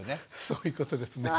そういうことですね。